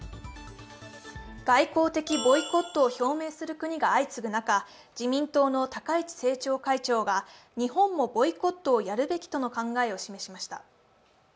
外交的ボイコットを表明する国が相次ぐ中、自民党の高市政調会長が日本もボイコットをやるべきとの考えを示しました。